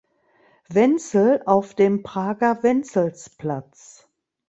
Wenzel auf dem Prager Wenzelsplatz.